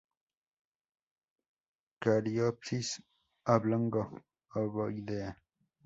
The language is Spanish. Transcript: Cariopsis oblongo-ovoidea.